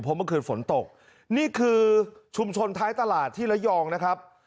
เพราะเมื่อคืนฝนตกนี่คือชุมชนท้ายตลาดที่ระยองนะครับ